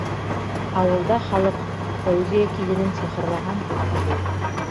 Ауылда халыҡ: «Фәүзиә киленен сихырлаған», - тип һөйләй.